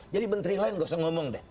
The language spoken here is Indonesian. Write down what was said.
jadi menteri lain gak usah ngomong deh